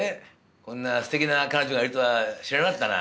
こんなすてきな彼女がいるとは知らなかったな。